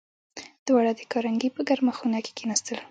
دواړه د کارنګي په ګرمه خونه کې کېناستل